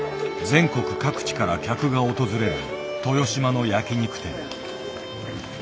全国各地から客が訪れる豊島の焼き肉店。